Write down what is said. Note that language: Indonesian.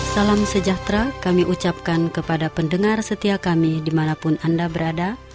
salam sejahtera kami ucapkan kepada pendengar setia kami dimanapun anda berada